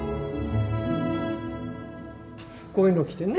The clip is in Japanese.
こういうのを着てね。